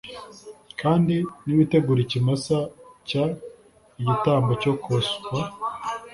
Kandi niwitegura ikimasa cy igitambo cyo koswa